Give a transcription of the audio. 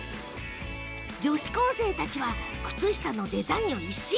女子高生たちはデザインを一新。